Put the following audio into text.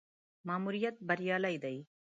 ماموریت بریالی دی.